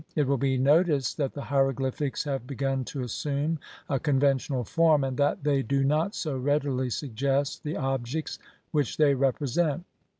It will be noticed that the hieroglyphics have begun to assume a conventional form, and that they do not so readily suggest the objects which they represent.